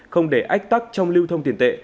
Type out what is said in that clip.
không để ách tắc trong lưu thông tiền tệ